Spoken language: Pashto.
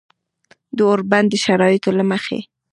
د اوربند د شرایطو له مخې